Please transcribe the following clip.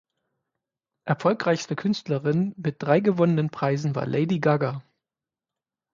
Erfolgreichste Künstlerin mit drei gewonnenen Preisen war Lady Gaga.